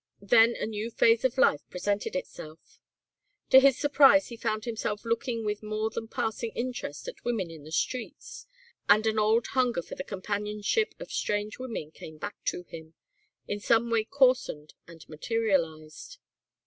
Then a new phase of life presented itself. To his surprise he found himself looking with more than passing interest at women in the streets, and an old hunger for the companionship of strange women came back to him, in some way coarsened and materialised.